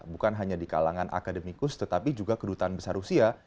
bukan hanya di kalangan akademikus tetapi juga kedutaan besar rusia